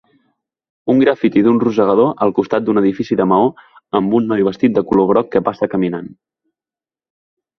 Un graffiti d'un rosegador al costat d'un edifici de maó amb un noi vestit de color groc que passa caminant.